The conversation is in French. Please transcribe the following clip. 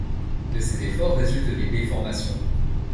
De ces efforts résultent des déformations.